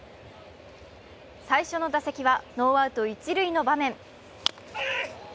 最初の打席はノーアウト一塁の場面。